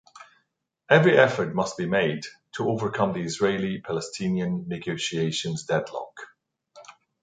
Every effort must be made to overcome the Israeli-Palestinian negotiations deadlock.